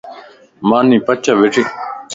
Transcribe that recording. ماني پچَ ٻيٺي